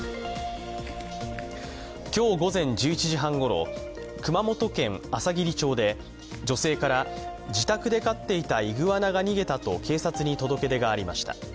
今日午前１１時半ごろ熊本県あさぎり町で女性から、自宅で飼っていたイグアナが逃げたと警察に届け出がありました。